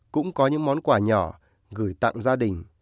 cũng có những món quà nhỏ gửi tặng gia đình